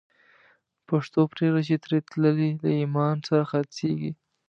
پښتو پریږده چی تری تللی، له ایمان سره خرڅیږی